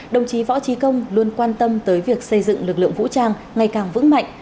đồng chí võ trí công luôn quan tâm tới việc xây dựng lực lượng vũ trang ngày càng vững mạnh